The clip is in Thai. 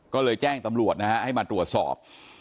ก็เลยแจ้งตำรวจนะฮะให้มาตรวจสอบ